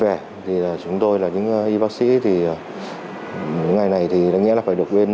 vì vậy thì chúng tôi là những y bác sĩ thì những ngày này thì đáng nhẽ là phải được quên